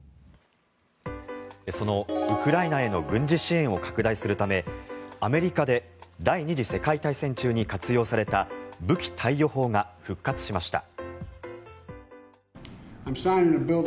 そのウクライナへの軍事支援を拡大するためアメリカで第２次世界大戦中に活用された武器貸与法が復活しました。